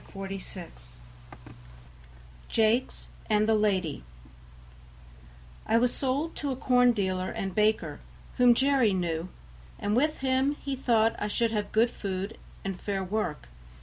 Part IV 46 Jakes and the Lady I was sold to a corn dealer and baker, whom Jerry knew, and with him he thought I should have good food and fair work.